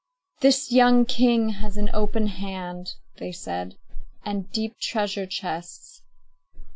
"This young king has an open hand," they said, "and deep treasure chests."